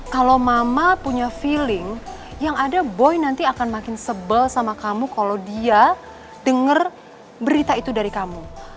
kalau mama punya feeling yang ada boy nanti akan makin sebel sama kamu kalau dia dengar berita itu dari kamu